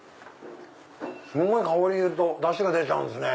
すんごい香りとダシが出ちゃうんですね。